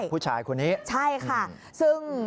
ผู้ชายคนนี้ใช่ค่ะซึ่ง